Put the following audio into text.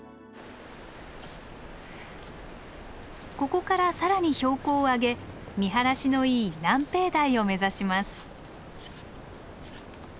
ここから更に標高を上げ見晴らしのいい南平台を目指します。